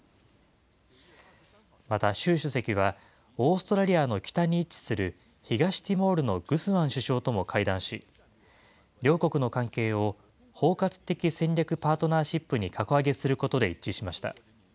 また習主席は、オーストラリアの北に位置する、東ティモールのグスマン首相とも会談し、両国の関係を包括的戦略パートナーシップに格上げすることで一致しました。